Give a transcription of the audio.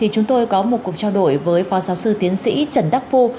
chúng tôi có một cuộc trao đổi với phó giáo sư tiến sĩ trần đắc phu